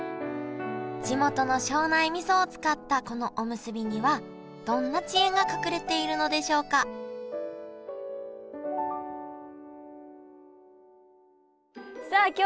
地元の庄内みそを使ったこのおむすびにはどんな知恵が隠れているのでしょうかさあ